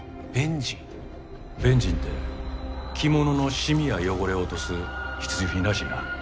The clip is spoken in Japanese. ベンジンって着物のシミや汚れを落とす必需品らしいな。